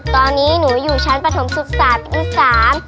ตอนนี้หนูอยู่ชั้นปฐมศุกษาวิทย์๓